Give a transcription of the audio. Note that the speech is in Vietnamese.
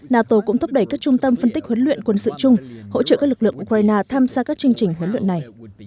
nato cũng thúc đẩy các trung tâm phân tích huấn luyện quân sự chung hỗ trợ các lực lượng ukraine tham gia các chương trình huấn luyện này